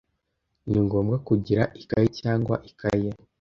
Ni ngombwa kugira ikaye cyangwa ikaye